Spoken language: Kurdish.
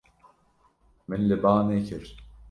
Min li ba nekir.